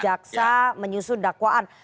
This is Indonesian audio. jaksa menyusun dakwaan